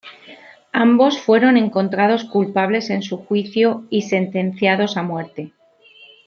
Ambos fueron encontrados culpables en su juicio y sentenciados a muerte.